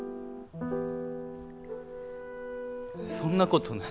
そんなことない。